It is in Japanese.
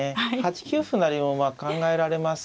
８九歩成もまあ考えられます。